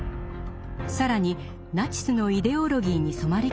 更にナチスのイデオロギーに染まり